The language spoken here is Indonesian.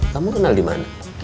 kamu kenal dimana